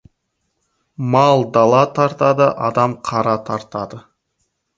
Мал дара тартады, адам қара тартады.